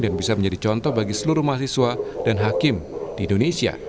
dan bisa menjadi contoh bagi seluruh mahasiswa dan hakim di indonesia